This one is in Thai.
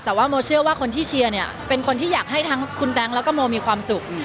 แต่ว่าโมเชื่อว่าคนที่เชียร์เนี่ยเป็นคนที่อยากให้ทั้งคุณแบงค์แล้วก็โมมีความสุข